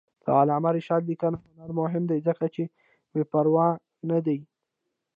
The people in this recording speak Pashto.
د علامه رشاد لیکنی هنر مهم دی ځکه چې بېپروا نه دی.